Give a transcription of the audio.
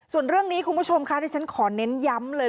ส่วนเรื่องนี้คุณผู้ชมค่ะที่ฉันขอเน้นย้ำเลย